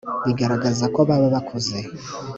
bigaragaza ko baba bakuze